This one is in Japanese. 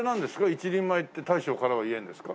一人前って大将からは言えるんですか？